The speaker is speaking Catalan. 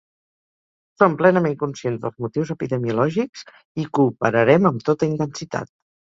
Som plenament conscients dels motius epidemiològics, i cooperarem amb tota intensitat.